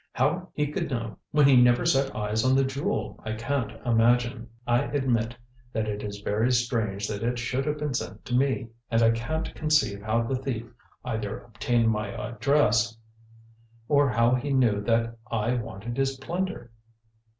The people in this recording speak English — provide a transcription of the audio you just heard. How he could know when he never set eyes on the jewel I can't imagine. I admit that it is very strange that it should have been sent to me, and I can't conceive how the thief either obtained my address, or how he knew that I wanted his plunder."